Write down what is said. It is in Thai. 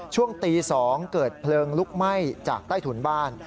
ช่วงตี๒เกิดเพลิงลุกไหม้จากใต้ถุนบ้าน